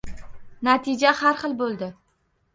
Natija xar xil bo‘ldi.